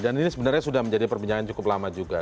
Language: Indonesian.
dan ini sebenarnya sudah menjadi perbincangan cukup lama juga